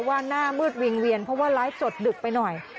ว่าหน้ามืดวิงเวียนเพราะว่าไลฟ์สดดึกไปหน่อย